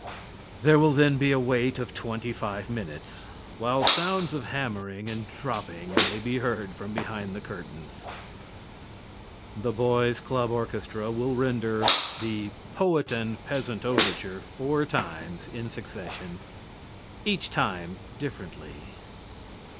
There will then be a wait of twenty five minutes, while sounds of hammering and dropping may be heard from behind the curtains. The Boys' Club orchestra will render the "Poet and Peasant Overture" four times in succession, each time differently.